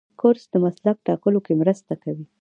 کورس د مسلک ټاکلو کې مرسته کوي.